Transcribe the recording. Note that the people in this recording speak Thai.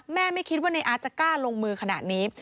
ไม่คิดว่าในอาร์ตจะกล้าลงมือขนาดนี้